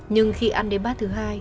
nhưng khi ăn đến bát thứ hai